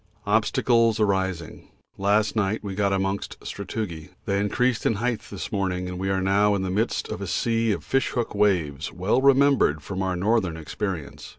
Obstacles arising last night we got amongst sastrugi they increased in height this morning and now we are in the midst of a sea of fish hook waves well remembered from our Northern experience.